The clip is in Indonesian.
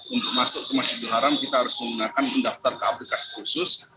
untuk masuk ke masjidil haram kita harus menggunakan pendaftar ke aplikasi khusus